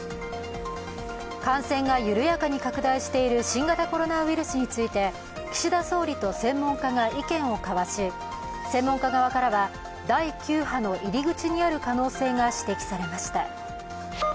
感染が緩やかに拡大している新型コロナウイルスについて岸田総理と専門家が意見を交わし専門家側からは第９波の入り口にある可能性が指摘されました。